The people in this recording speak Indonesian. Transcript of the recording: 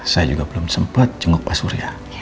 saya juga belum sempat jenguk pak surya